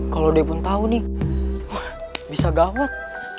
kalau dia pun tahu nih wah bisa gawat